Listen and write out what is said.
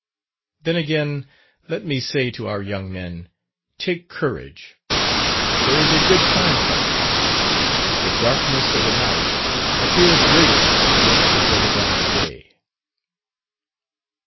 Then again let me say to our young men Take courage; "There is a good time coming." The darkness of the night appears greatest just before the dawn of day.